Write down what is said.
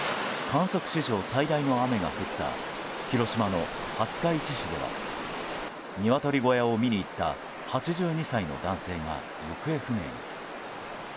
観測史上最大の雨が降った広島の廿日市市ではニワトリ小屋を見に行った８２歳の男性が行方不明に。